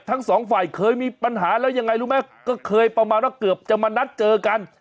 ทั้งสองฝ่ายเคยมีปัญหาแล้วยังไงรู้ไหมก็เคยประมาณว่าเกือบจะมานัดเจอกัน